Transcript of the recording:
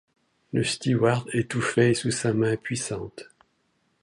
Le stewart étouffait sous sa main puissante.